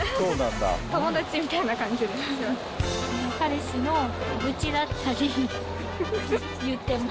友達みたいな感じでします。